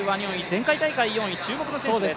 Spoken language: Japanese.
前回大会４位、注目の選手です。